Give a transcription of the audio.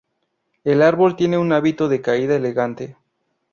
El árbol tiene un hábito de caída elegante.